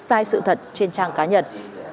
sai sự thật trên trang cá nhân